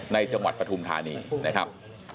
จังหวัดปฐุมธานีนะครับ